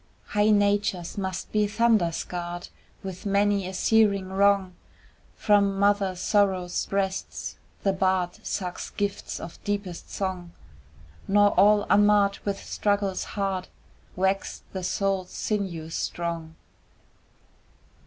High natures must be thunder scarred With many a searing wrong; From mother Sorrow's breasts the bard Sucks gifts of deepest song, Nor all unmarred with struggles hard Wax the Soul's sinews strong.